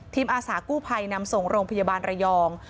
อาสากู้ภัยนำส่งโรงพยาบาลระยอง